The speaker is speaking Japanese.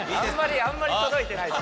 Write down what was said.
あんまり届いてない。